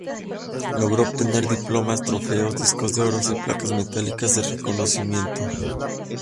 Logró obtener diplomas, trofeos, discos de oro y placas metálicas de reconocimiento.